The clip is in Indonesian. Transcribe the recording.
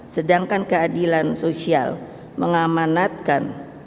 sedangkan keadilan sosial mengamanatkan